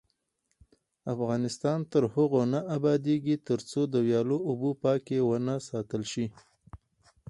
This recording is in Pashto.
افغانستان تر هغو نه ابادیږي، ترڅو د ویالو اوبه پاکې ونه ساتل شي.